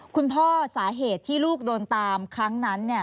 คุณพ่อสาเหตุที่ลูกโดนตามครั้งนั้น